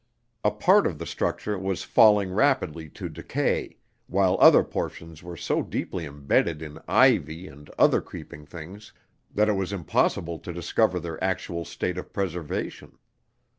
A part of the structure was falling rapidly to decay, while other portions were so deeply embedded in ivy and other creeping things that it was impossible to discover their actual state of preservation.